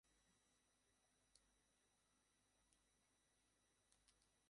সভায় বলা হয়, চলতি বছর লঞ্চের ছাদে কোনো যাত্রী বহন করা যাবে না।